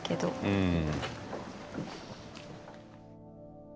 うん。